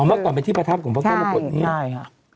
ใช่อ๋อมากกว่าเป็นที่ประทับของพระแก้วมรกฏนี้